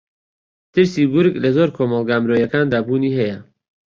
ترسی گورگ لە زۆر لە کۆمەڵگا مرۆیییەکاندا بوونی ھەیە